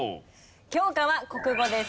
教科は国語です。